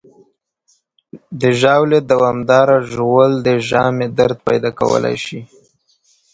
د ژاولې دوامداره ژوول د ژامې درد پیدا کولی شي.